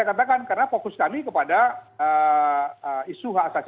saya katakan karena fokus kami kepada isu hak asasi